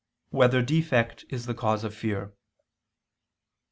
2] Whether Defect Is the Cause of Fear?